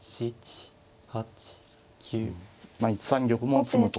まあ１三玉も詰むと。